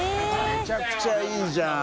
めちゃくちゃいいじゃん。